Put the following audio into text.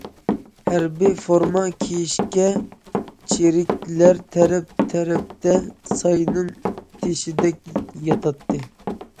ھەربىي فورما كىيىشكەن چىرىكلەر تەرەپ- تەرەپتە ساينىڭ تېشىدەك ياتاتتى.